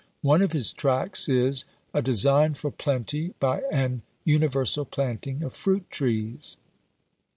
One of his tracts is "A design for plenty by an universal planting of fruit trees."